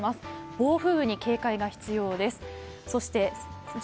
暴風雨に警戒が必要です。